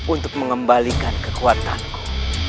untuk mengembalikan kekuatanku